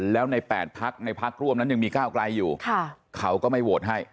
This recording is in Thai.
แล้วใน๘พักในพักร่วมนั้นยังมีก้าวไกลอยู่เขาก็ไม่โหวตให้